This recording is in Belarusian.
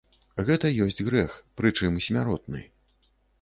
Гэта ёсць грэх, прычым смяротны.